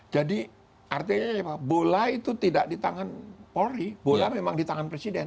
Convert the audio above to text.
jadi artinya apa bola itu tidak di tangan polri bola memang di tangan presiden